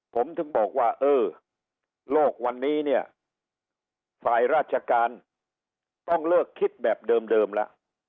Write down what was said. ผมถึงบอกว่าเออโลกวันนี้เนี่ยฝ่ายราชการต้องเลิกคิดแบบเดิมแล้ว